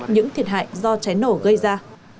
những thiệt hại do cháy nổ gây ra